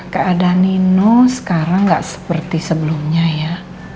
keadaan nino sekarang nggak seperti sebelumnya ya